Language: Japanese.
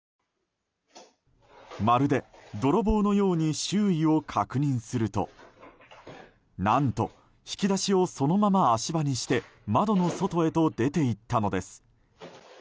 まるで泥棒のように周囲を確認すると何と引き出しをそのまま足場にして窓の外へと出て行ったのです。